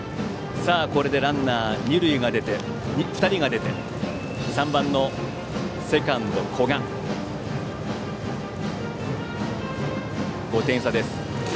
さあ、これでランナー２人が出て３番セカンド、古賀５点差です。